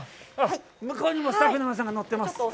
向こうにもスタッフの皆さんが乗っています。